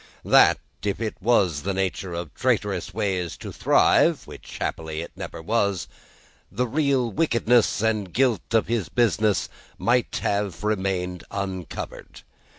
That, if it were in the nature of traitorous ways to thrive (which happily it never was), the real wickedness and guilt of his business might have remained undiscovered.